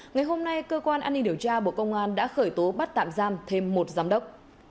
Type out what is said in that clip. ngày hôm nay cơ quan an ninh điều tra bộ công an đã khởi tố bắt tạm giam thêm một giám đốc